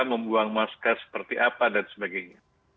membuang masker seperti apa dan sebagainya